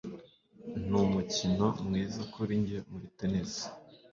Ni umukino mwiza kuri njye muri tennis.